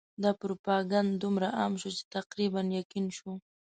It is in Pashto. دا پروپاګند دومره عام شو چې تقریباً یقین شو.